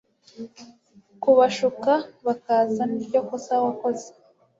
kubashuka bakaza niryo kosa wakoze